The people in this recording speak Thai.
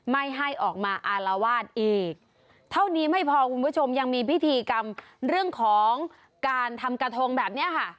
ไม่ให้ออกมาอารวาสอีกเท่านี้ไม่พอคุณผู้ชมยังมีพิธีกรรมเรื่องของการทำกระทงแบบเนี้ยค่ะ